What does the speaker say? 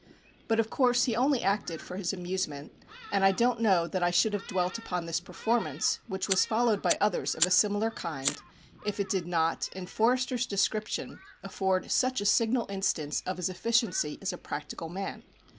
But of course he only acted for his amusement, and I don't know that I should have dwelt upon this performance, which was followed by others of a similar kind, if it did not, in Forster's description, afford such a signal instance of his efficiency as a practical man.